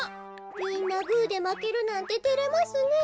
みんなグーでまけるなんててれますねえ。